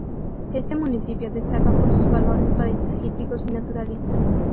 Este municipio destaca por sus valores paisajísticos y naturalistas.